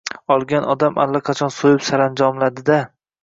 Olgan odam allaqachon so‘yib saranjomladi-da